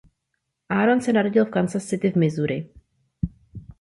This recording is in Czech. Aaron se narodil v Kansas City v Missouri.